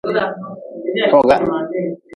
Foga.